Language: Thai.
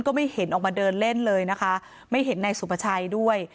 ก็ไม่เห็นออกมาเดินเล่นเลยนะคะไม่เห็นนายสุภาชัยด้วย